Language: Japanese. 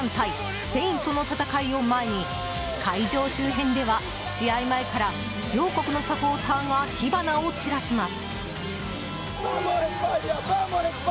スペインとの戦いを前に会場周辺では試合前から両国のサポーターが火花を散らします。